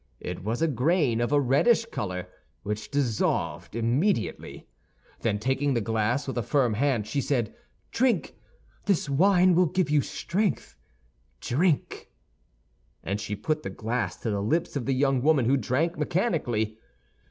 It was a grain of a reddish color, which dissolved immediately. Then, taking the glass with a firm hand, she said, "Drink. This wine will give you strength, drink!" And she put the glass to the lips of the young woman, who drank mechanically.